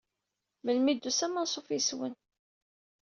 Meli i d-tusam anṣuf yes-wen.